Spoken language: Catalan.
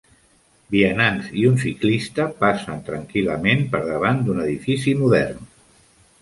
Vianants i un ciclista passen a tranquil·lament per davant d'un edifici modern.